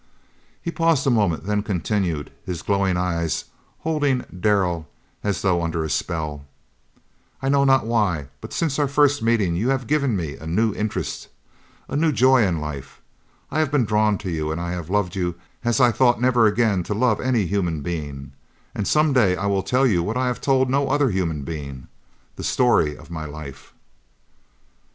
He paused a moment, then continued, his glowing eyes holding Darrell as though under a spell: "I know not why, but since our first meeting you have given me a new interest, a new joy in life. I have been drawn to you and I have loved you as I thought never again to love any human being, and some day I will tell you what I have told no other human being, the story of my life."